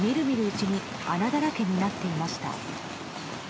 うちに穴だらけになっていました。